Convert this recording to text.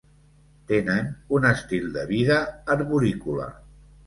Tenen un estil de vida arborícola.